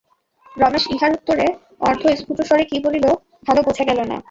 রমেশ ইহার উত্তরে অর্ধস্ফুটস্বরে কী বলিল, ভালো বোঝা গেল না।